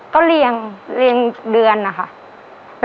ก็เรียงเรียงเดือนอ่ะค่ะ